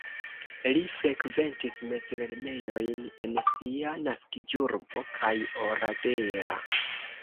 Li frekventis mezlernejojn en sia naskiĝurbo kaj Oradea.